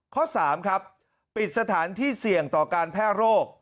ข้อ๓ครับปิดสถานที่เสี่ยงต่อการแพร่โรค